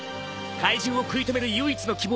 怪獣を食い止める唯一の希望